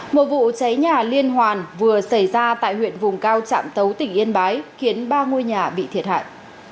một vụ cháy nhà liên hoàn vừa xảy ra tại huyện vùng cao trạm tấu tỉnh yên bái khiến ba ngôi nhà bị thiệt hại